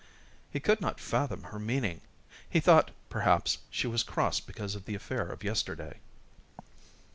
He could not fathom her meaning. He thought, perhaps, she was cross because of the affair of yesterday.